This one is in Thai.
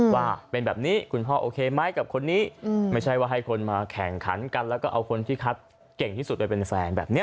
ว่าเป็นแบบนี้คุณพ่อโอเคไหมกับคนนี้ไม่ใช่ว่าให้คนมาแข่งขันกันแล้วก็เอาคนที่คัดเก่งที่สุดไปเป็นแฟนแบบนี้